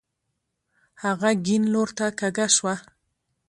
هغه کيڼ لورته کږه شوه.